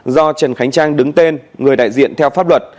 do trần khánh trang đứng tên người đại diện theo pháp luật